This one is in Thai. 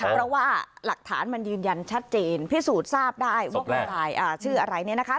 เพราะว่าหลักฐานมันยืนยันชัดเจนพิสูจน์ทราบได้ว่าชื่ออะไรเนี่ยนะคะ